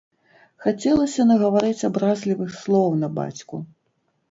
Хацелася нагаварыць абразлівых слоў на бацьку.